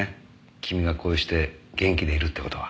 君がこうして元気でいるって事は。